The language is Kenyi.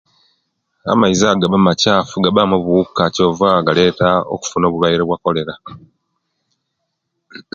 Amaizi ago gaba amakyafu gabamu wuuka kyova galeta kufuna bulwaire bwa'MP kolera .